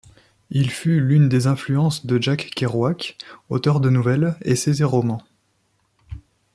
Il fut l'une des influences de Jack Kerouac, auteur de nouvelles, essais et romans.